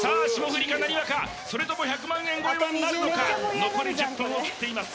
霜降りかなにわかそれとも１００万円超えはなるのか残り１０分を切っています